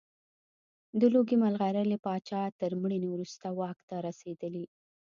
د لوګي مرغلرې پاچا تر مړینې وروسته واک ته رسېدلی.